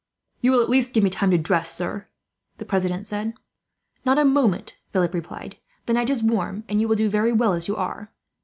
"You will at least give me time to dress, sir?" the president said. "Not a moment," Philip replied. "The night is warm, and you will do very well, as you are.